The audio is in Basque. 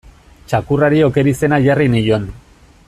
Txakurrari Oker izena jarri nion.